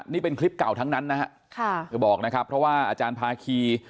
นี่เป็นคลิปเก่าทั้งนั้นนะฮะค่ะเธอบอกนะครับเพราะว่าอาจารย์ภาคี